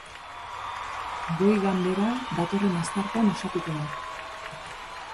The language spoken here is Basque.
Goi-ganbera datorren asteartean osatuko da.